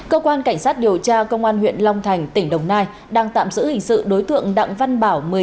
cơ quan cảnh sát điều tra công an huyện long thành tỉnh đồng nai đang tạm giữ hình sự đối tượng đặng văn bảo